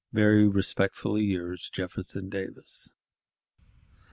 "Very respectfully yours, "Jefferson Davis."